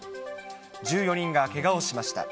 １４人がけがをしました。